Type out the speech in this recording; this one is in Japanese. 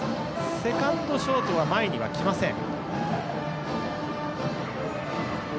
セカンドとショート前には来ません。